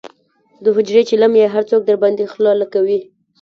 د حجرې چیلم یې هر څوک درباندې خله لکوي.